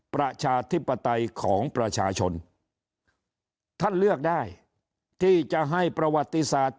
ประชาธิปไตยของประชาชนท่านเลือกได้ที่จะให้ประวัติศาสตร์